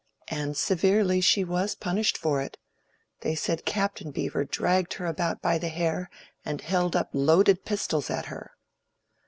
And severely she was punished for it. They said Captain Beevor dragged her about by the hair, and held up loaded pistols at her."